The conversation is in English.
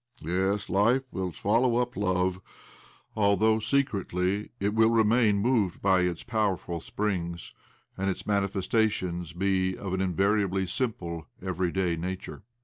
lYes, life will swallow up love, although secretly it wUl remain moved by its: powerful springs, and its manifestations be of an invariably simple, everyday nature.